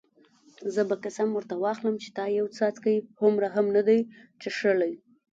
زه به قسم ورته واخلم چې تا یو څاڅکی هومره هم نه دی څښلی.